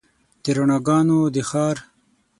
د رڼاګانو د ښار